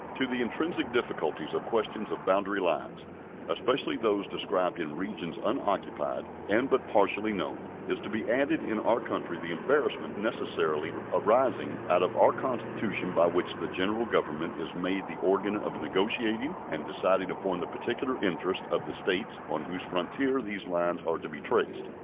To the intrinsic difficulties of questions of boundary lines, especially those described in regions unoccupied and but partially known, is to be added in our country the embarrassment necessarily arising out of our Constitution by which the General Government is made the organ of negotiating and deciding upon the particular interests of the States on whose frontiers these lines are to be traced.